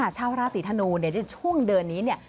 ชาวราศีธนูในช่วงเดือนนี้เนี่ย